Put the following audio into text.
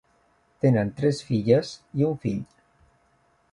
Tenen tres filles i un fill.